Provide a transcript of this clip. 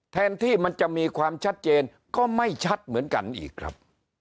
แทนที่มันจะมีความชัดเจนก็ไม่ชัดเหมือนกันอีกครับ